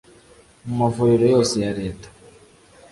mu mavuriro yose ya Leta